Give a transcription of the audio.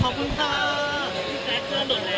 แฮปปี้นะกลับมาเรียกแล้วไหมคะ